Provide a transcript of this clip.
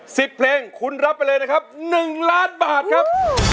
สิบเพลงคุณรับไปเลยนะครับหนึ่งล้านบาทครับ